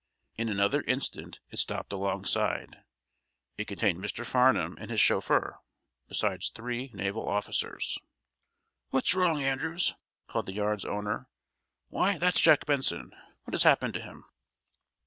In another instant it stopped alongside. It contained Mr. Farnum and his chauffeur, besides three naval officers. "What's wrong, Andrews?" called the yard's owner. "Why, that's Jack Benson! What has happened to him?"